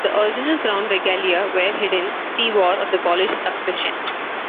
The original "Crown Regalia" were hidden - see War of the Polish Succession.